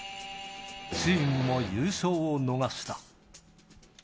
チームも優勝を逃した。